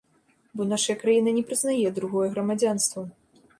Бо нашая краіна не прызнае другое грамадзянства.